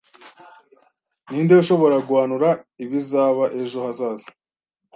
Ninde ushobora guhanura ibizaba ejo hazaza?